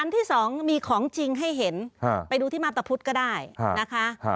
ที่สองมีของจริงให้เห็นไปดูที่มาพตะพุทธก็ได้นะคะ